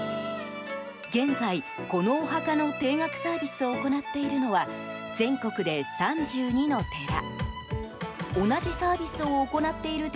現在、このお墓の定額サービスを行っているのは全国で３２の寺。